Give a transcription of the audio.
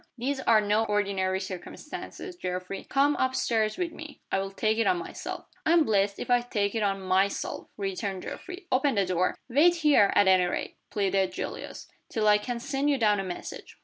These are no ordinary circumstances, Geoffrey. Come up stairs with me I'll take it on myself." "I'm blessed if I take it on _my_self!" returned Geoffrey. "Open the door!" "Wait here, at any rate," pleaded Julius, "till I can send you down a message."